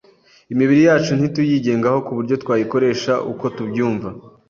Imibiri yacu ntituyigengaho ku buryo twayikoresha uko tubyumva